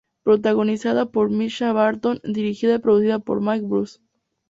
Protagonizada por Mischa Barton; dirigida y producida por Mike Bruce.